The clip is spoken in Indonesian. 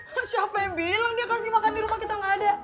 terus siapa yang bilang dia kasih makan di rumah kita gak ada